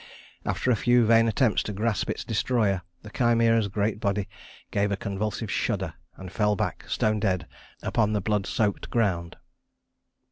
After a few vain attempts to grasp its destroyer, the Chimæra's great body gave a convulsive shudder, and fell back stone dead upon the blood soaked ground.